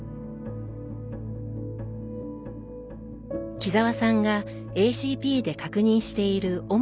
木澤さんがＡＣＰで確認している主な項目です。